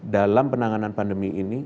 dalam penanganan pandemi ini